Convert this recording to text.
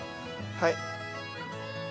はい。